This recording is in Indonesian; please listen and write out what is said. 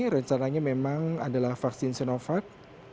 rencananya memang adalah vaksin sinovac